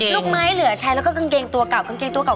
ลูกไม้เหลือใช้แล้วก็กางเกงตัวเก่ากางเกงตัวเก่า